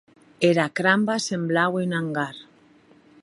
Era cramba semblaue un angar.